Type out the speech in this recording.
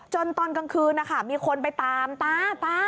ตอนกลางคืนนะคะมีคนไปตามตาตา